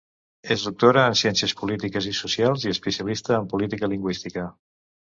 És doctora en Ciències Polítiques i Socials i especialista en Política Lingüística.